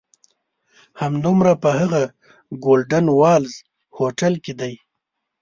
همدومره په هغه "ګولډن والز" هوټل کې دي.